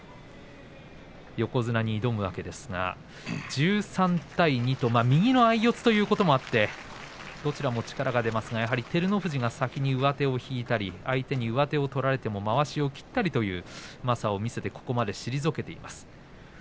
横綱に挑むわけですが１３対２と右の相四つということもあってどちらも力が出ますが、やはり照ノ富士が先に上手を引いたり相手に上手を取られてもまわしを切ったりといううまさを見せてここまで退けています。